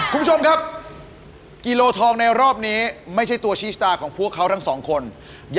คุณตุ๊ยครับคุณมินครับ